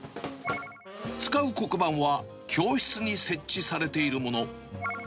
使う黒板は教室に設置されているもの。